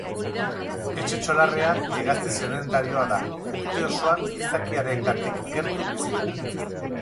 Etxe-txolarrea hegazti sedentarioa da, urte osoan gizakiarengatik gertu bizi dena.